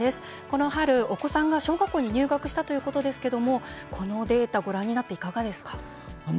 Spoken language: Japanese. この春、お子さんが小学校に入学したということですがこのデータご覧になっていかがですか？